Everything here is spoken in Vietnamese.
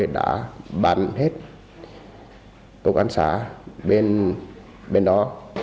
đột hết trụ sở ở bên đó